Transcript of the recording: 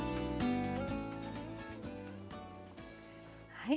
はい。